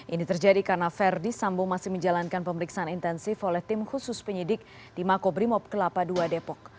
ini terjadi karena verdi sambo masih menjalankan pemeriksaan intensif oleh tim khusus penyidik di makobrimob kelapa ii depok